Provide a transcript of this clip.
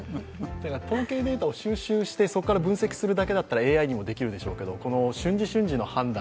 統計データを収集してそこから分析するだけだったらいいんでしょうけどその瞬時瞬時の判断